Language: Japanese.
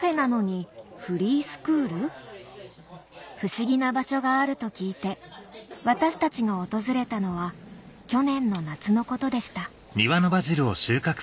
不思議な場所があると聞いて私たちが訪れたのは去年の夏のことでした